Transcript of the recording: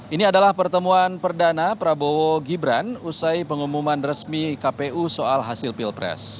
ini adalah pertemuan perdana prabowo gibran usai pengumuman resmi kpu soal hasil pilpres